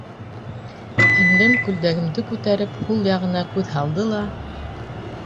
Һеңлем, күлдәгемде күтәреп, һул яғына күҙ һалды ла: